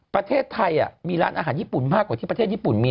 ประเทศไทยมีร้านอาหารญี่ปุ่นมากกว่าที่ประเทศญี่ปุ่นมี